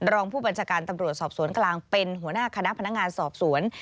รองผู้บัญชาการตำรวจสอบสวนกลางเป็นหัวหน้าคณะพนักงานสอบสวน